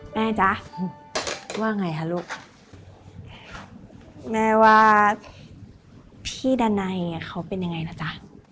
แม่จ๋าว่าไงฮะลูกแม่ว่าพี่ดันไนเขาเป็นยังไงล่ะจ๊ะ